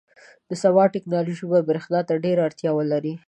• د سبا ټیکنالوژي به برېښنا ته ډېره اړتیا ولري.